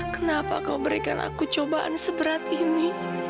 kenapa kau berikan aku cobaan seberat ini